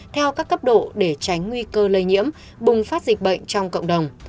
theo các cấp độ để tránh nguy cơ lây nhiễm bùng phát dịch bệnh trong cộng đồng